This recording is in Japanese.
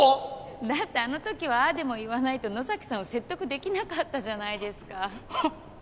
だってあの時はああでも言わないと野崎さんを説得できなかったじゃないですかハハハ